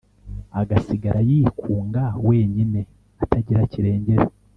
agasigara yikunga wenyine atagira kirengera.»